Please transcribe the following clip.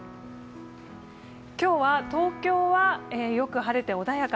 今日は東京はよく晴れて穏やか。